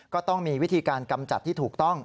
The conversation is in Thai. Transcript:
ก็ต้องมีวิธีการกำจัดที่ถูกต้อง